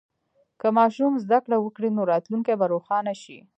که ماشوم زده کړه وکړي، نو راتلونکی به روښانه شي.